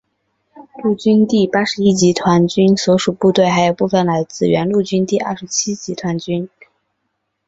陆军第八十一集团军所属部队还有部分来自原陆军第二十七集团军。